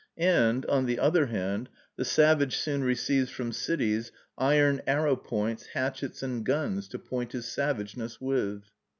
And, on the other hand, the savage soon receives from cities iron arrow points, hatchets, and guns, to point his savageness with.